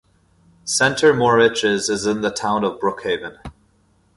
Center Moriches is in the town of Brookhaven.